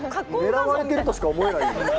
狙われてるとしか思えない。